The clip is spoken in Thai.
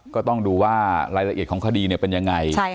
ก็ต้องดูว่ารายละเอียดของคดีเป็นยังไง